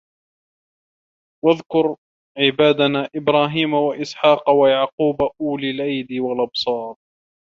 وَاذكُر عِبادَنا إِبراهيمَ وَإِسحاقَ وَيَعقوبَ أُولِي الأَيدي وَالأَبصارِ